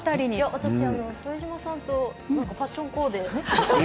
私、副島さんとファッションコーデ。